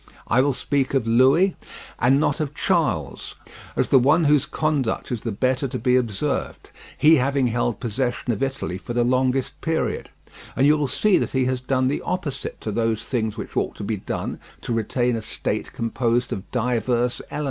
I will speak of Louis (and not of Charles) as the one whose conduct is the better to be observed, he having held possession of Italy for the longest period; and you will see that he has done the opposite to those things which ought to be done to retain a state composed of divers elements.